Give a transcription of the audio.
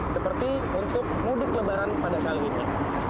seperti untuk mudik lebaran pada kali ini